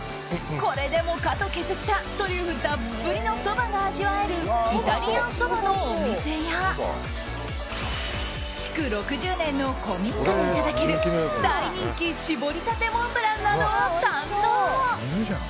これでもかと削ったトリュフたっぷりのそばが味わえるイタリアンそばのお店や築６０年の古民家でいただける大人気搾りたてモンブランなどを堪能。